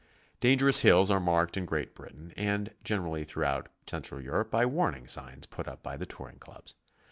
Dangerous hills are marked in Great Britain and gener ally throughout Central Europe by warning signs put up by the touring clubs.